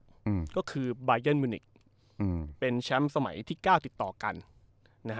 อืมก็คือบายันมิวนิกอืมเป็นแชมป์สมัยที่เก้าติดต่อกันนะฮะ